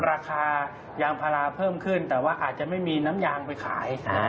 ราคายางพาราเพิ่มขึ้นแต่ว่าอาจจะไม่มีน้ำยางไปขาย